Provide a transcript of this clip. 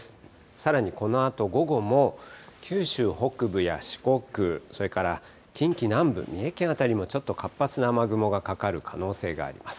さらにこのあと午後も、九州北部や四国、それから近畿南部、三重県の辺りにもちょっと活発な雨雲がかかる可能性もあります。